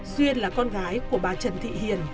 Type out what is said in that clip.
duyên là con gái của bà trần thị hiền